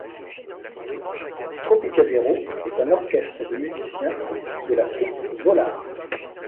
Tropicadéro est un orchestre de musiciens issus de la troupe Vollard.